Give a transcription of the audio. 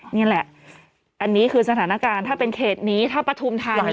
นี่แหละอันนี้คือสถานการณ์ถ้าเป็นเขตนี้ถ้าปฐุมธานี